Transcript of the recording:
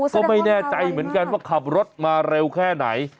ก็ไม่แน่ใจเหมือนกันว่าขับรถมาเร็วแค่ไหน